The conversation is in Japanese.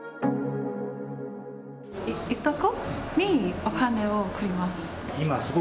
いとこにお金を送ります。